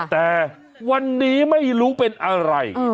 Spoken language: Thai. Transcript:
แต่วันนี้ไม่รู้เป็นอะไร